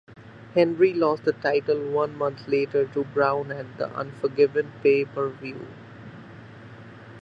Henry lost the title one month later to Brown at the Unforgiven pay-per-view.